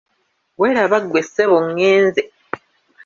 Weeraba ggwe ssebo ngenze.